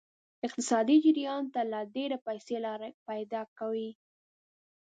اقتصادي جریان ته لا ډیرې پیسې لار پیدا کوي.